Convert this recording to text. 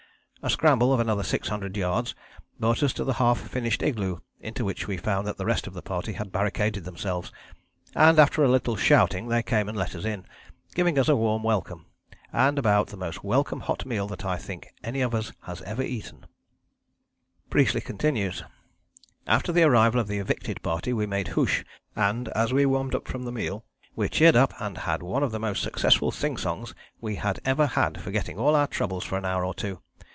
A scramble of another six hundred yards brought us to the half finished igloo, into which we found that the rest of the party had barricaded themselves, and, after a little shouting, they came and let us in, giving us a warm welcome, and about the most welcome hot meal that I think any of us had ever eaten." [Illustration: PRIESTLEY AND CAMPBELL] Priestley continues: "After the arrival of the evicted party we made hoosh, and as we warmed up from the meal, we cheered up and had one of the most successful sing songs we had ever had forgetting all our troubles for an hour or two.